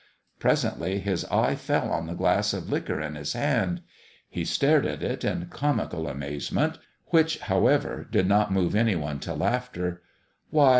Presently his eye fell on the glass of liquor in his hand. He stared at it in comical amazement (which, however, did not move any one to laughter).